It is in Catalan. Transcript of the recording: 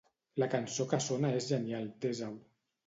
La cançó que sona és genial, desa-ho.